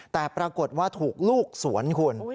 แต่ปรากฏว่าถูกลูกสวนคุณ